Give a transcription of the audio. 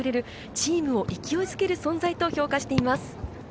チームを勢いづける存在と評価しています。